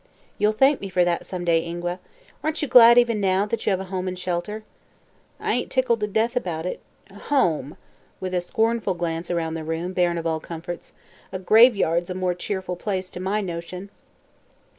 "You'll thank me for that, some day, Ingua. Aren't you glad, even now, that you have a home and shelter?" "I ain't tickled to death about it. Home!" with a scornful glance around the room, barren of all comforts. "A graveyard's a more cheerful place, to my notion."